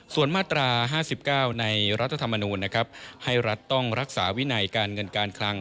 ส่วนมาตรา๕๙ในรัฐธรรมนูญนะครับให้รัฐต้องรักษาวินัยการเงินการคลัง